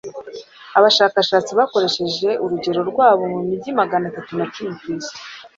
Abashakashatsi bakoresheje urugero rwabo mu mijyi Maganatatu na cumi ku isi